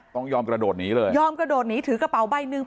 ต้องยอมกระโดดหนีเลยยอมกระโดดหนีถือกระเป๋าใบหนึ่ง